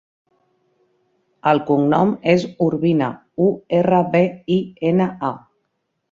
El cognom és Urbina: u, erra, be, i, ena, a.